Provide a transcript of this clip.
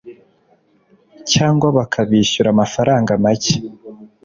cyangwa bakabishyura amafaranga make